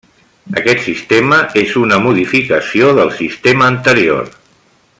Aquest sistema és una modificació del sistema anterior.